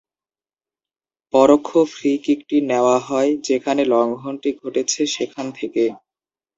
পরোক্ষ ফ্রি কিকটি নেওয়া হয় যেখানে লঙ্ঘনটি ঘটেছে সেখান থেকে।